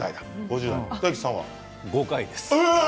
５回です。